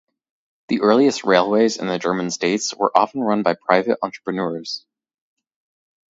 The earliest railways in the German states were often run by private entrepreneurs.